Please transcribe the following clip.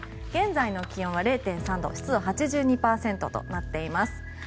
現在の気温は０．３度湿度８２％となっています。